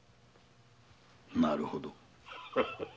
なるほど。